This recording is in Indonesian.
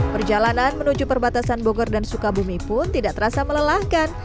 perjalanan menuju perbatasan bogor dan sukabumi pun tidak terasa melelahkan